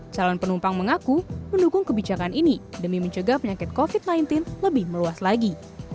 calon penumpang mengaku mendukung kebijakan ini demi mencegah penyakit covid sembilan belas lebih meluas lagi